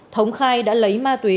thống khai đã lấy ma túy